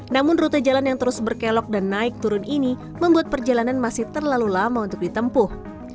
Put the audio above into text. namun rute jalan yang terus berkelok dan naik turun ini membuat perjalanan masih terlalu lama untuk ditempuh